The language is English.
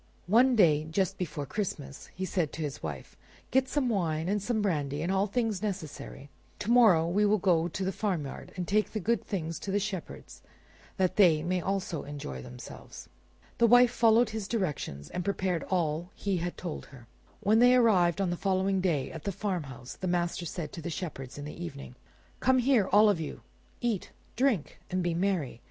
One day, just before Christmas, he said to his wife, "Get some wine, and some brandy, and all things necessary; to morrow we will go to the farmyard and take the good things to the shepherds that they may also enjoy themselves." The wife followed his directions and prepared all that he had told her. When they arrived on the following day at the farmhouse, the master said to the shepherds in the evening— "Come here, all of you; eat, drink, and be merry.